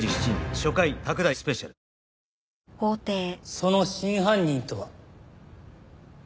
その真犯人とは？